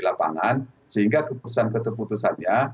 lapangan sehingga keputusan keputusannya